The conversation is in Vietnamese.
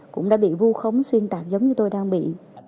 cũng đã bị vu khống xuyên tạc giống như tôi đang bị